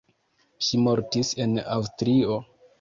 Ŝi mortis en Aŭstrio.